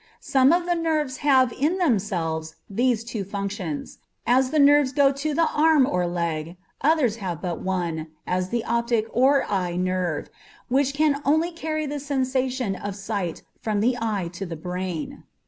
Some nerves have in themselves these two functions, as the nerves that go to the arm or leg; others have but one, as the optic or eye nerve, which can only carry the sensation of sight from the eye to the brain.